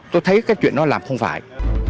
tôi thấy cái chuyện đó làm không phải